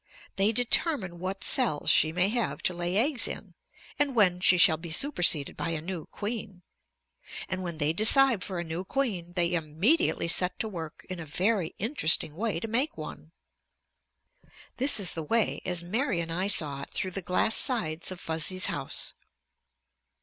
They determine what cells she may have to lay eggs in and when she shall be superseded by a new queen. And when they decide for a new queen, they immediately set to work in a very interesting way to make one. This is the way, as Mary and I saw it through the glass sides of Fuzzy's house.